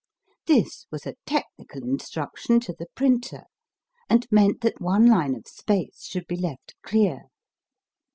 ] This was a technical instruction to the printer, and meant that one line of space should be left clear.